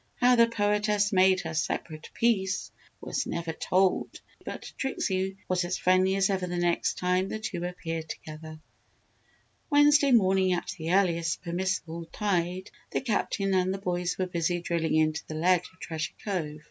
How the poetess made her "separate peace" was never told but Trixie was as friendly as ever the next time the two appeared together. Wednesday morning at the earliest permissible tide the Captain and the boys were busy drilling into the ledge of Treasure Cove.